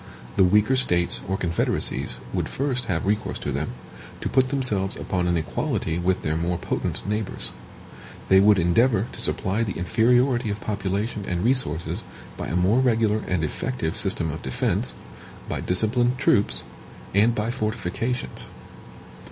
The weaker States or confederacies would first have recourse to them, to put themselves upon an equality with their more potent neighbors. They would endeavor to supply the inferiority of population and resources by a more regular and effective system of defense, by disciplined troops, and by fortifications.